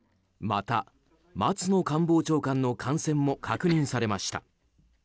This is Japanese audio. また、松野官房長官の感染も確認されました。